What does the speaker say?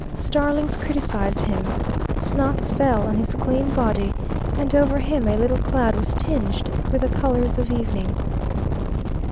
Starlings criticized him, snots fell on his clean body, and over him a little cloud was tinged with the colours of evening.